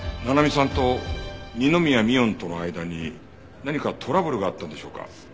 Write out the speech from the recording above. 七海さんと二宮美音との間に何かトラブルがあったんでしょうか？